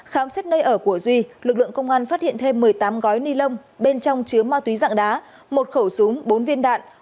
khám xét nơi ở của duy lực lượng công an phát hiện thêm một mươi tám gói ni lông bên trong chứa ma túy dạng đá một khẩu súng bốn viên đạn